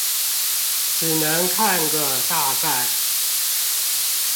只能看個大概